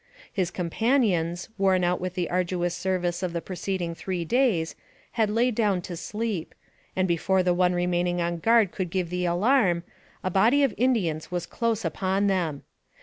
His companions, worn out with the arduous service of the preceding three days, had laid down to sleep, and before the one remaining on guard could give the alarm, a body of Indians was close upon them.